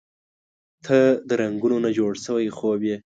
• ته د رنګونو نه جوړ شوی خوب یې.